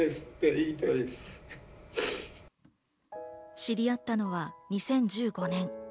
知り合ったのは２０１５年。